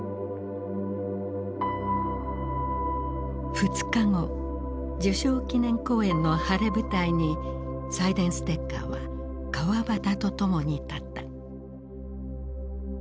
２日後受賞記念講演の晴れ舞台にサイデンステッカーは川端と共に立った。